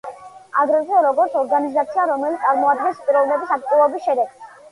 აგრეთვე, როგორც ორგანიზაცია, რომელიც წარმოადგენს პიროვნების აქტივობის შედეგს.